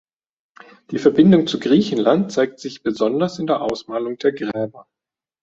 Die Verbindung zu Griechenland zeigt sich besonders in der Ausmalung der Gräber.